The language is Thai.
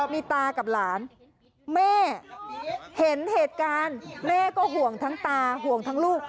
มีตากับหลานแม่เห็นเหตุการณ์แม่ก็ห่วงทั้งตาห่วงทั้งลูก